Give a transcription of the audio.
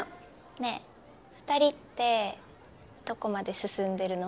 ねぇ２人ってどこまで進んでるの？